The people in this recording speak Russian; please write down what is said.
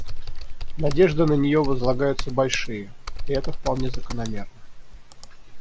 Надежды на нее возлагаются большие, и это вполне закономерно.